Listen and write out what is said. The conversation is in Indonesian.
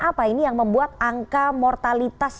apa ini yang membuat angka mortalitas